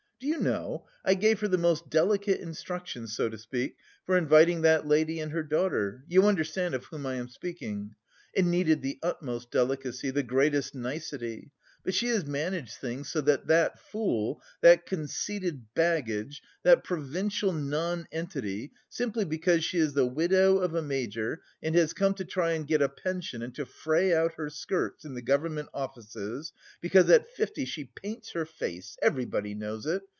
"Do you know, I gave her the most delicate instructions, so to speak, for inviting that lady and her daughter, you understand of whom I am speaking? It needed the utmost delicacy, the greatest nicety, but she has managed things so that that fool, that conceited baggage, that provincial nonentity, simply because she is the widow of a major, and has come to try and get a pension and to fray out her skirts in the government offices, because at fifty she paints her face (everybody knows it)...